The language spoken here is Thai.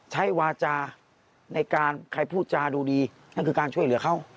ใช้วาจาในการใครพูดจาดูดีนั่นคือการช่วยเหลือเขา